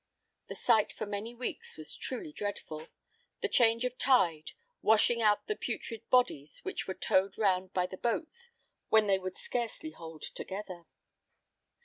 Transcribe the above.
The sight for many weeks was truly dreadful, the change of tide, washing out the putrid bodies, which were towed round by the boats when they would scarcely hold together.